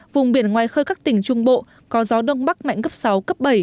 vùng biển ngoài khơi các tỉnh trung bộ có gió đông bắc mạnh cấp sáu cấp bảy